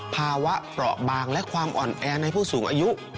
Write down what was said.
ภาวะเปราะบางและความอ่อนแอในผู้สูงอายุ